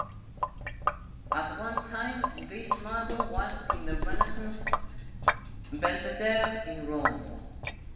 At one time this marble was in the Renaissance Belvedere in Rome.